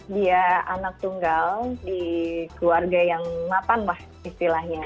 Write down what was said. dia anak tunggal di keluarga yang mapan lah istilahnya